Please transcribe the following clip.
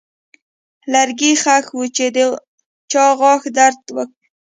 لرګی ښخ و چې د چا غاښ درد و.